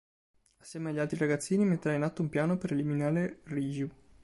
Assieme agli altri ragazzini metterà in atto un piano per eliminare Ryuji.